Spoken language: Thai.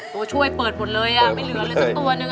ตัวช่วยเปิดหมดเลยไม่เหลืออะไรสักตัวหนึ่ง